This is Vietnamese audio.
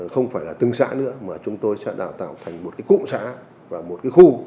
không phải là từng xã nữa mà chúng tôi sẽ đào tạo thành một cái cụm xã và một cái khu